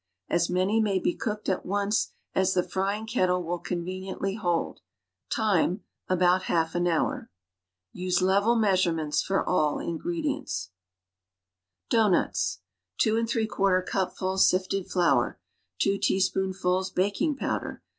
As many may be cooked at once as the frying kettle will conveniently hold. Time, about half an hour. 32 Jsr !erel me<iRnrements Jiir alt inijrcdienU DOUGHNUTS 2^ cupfuls sifted flour } 2 leaspooufuls baking powder J.